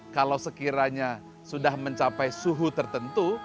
kalau sekiranya sudah mencapai suhu tertentu